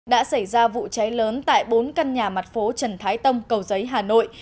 đã xảy ra vụ cháy lớn tại bốn căn nhà mặt phố trần thái tông cầu giấy hà nội